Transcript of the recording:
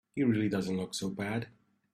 He really doesn't look so bad.